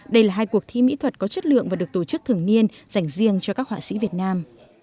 đây là hai cuộc thi mỹ thuật có chất lượng và được tổ chức thường niên dành riêng cho các họa sĩ việt nam